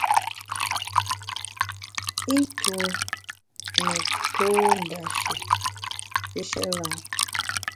I ntue ne tô ndashi pishe lam.